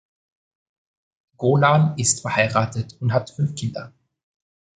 Golan ist verheiratet und hat fünf Kinder.